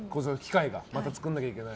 また作らなきゃいけない。